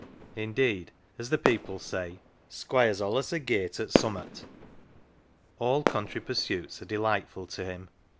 Indeed, as the people say, " Squire's allus agate at summat." All country pursuits are delightful to him.